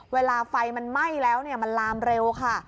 เวลาไฟมันไหม้แล้วมันลามเร็วค่ะ